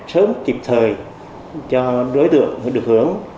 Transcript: sớm kịp thời cho đối tượng được hưởng